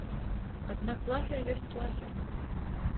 Аднак лагер ёсць лагер.